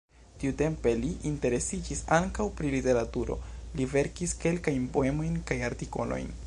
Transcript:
Tiutempe li interesiĝis ankaŭ pri literaturo, li verkis kelkajn poemojn kaj artikolojn.